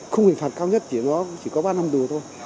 không hình phạt cao nhất chỉ có ba năm tù thôi